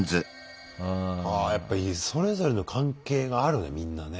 あやっぱそれぞれの関係があるねみんなね。